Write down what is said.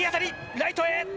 ライトへ！